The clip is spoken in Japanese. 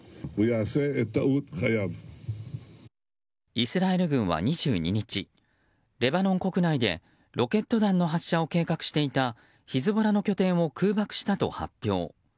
イスラエル軍は２２日レバノン国内でロケット弾の発射を計画していたヒズボラの拠点を空爆したと発表。